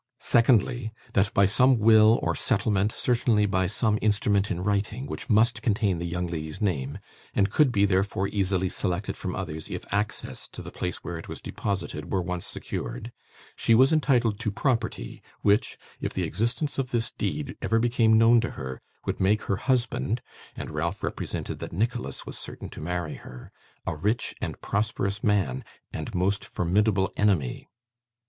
Secondly, that by some will or settlement certainly by some instrument in writing, which must contain the young lady's name, and could be, therefore, easily selected from others, if access to the place where it was deposited were once secured she was entitled to property which, if the existence of this deed ever became known to her, would make her husband (and Ralph represented that Nicholas was certain to marry her) a rich and prosperous man, and most formidable enemy.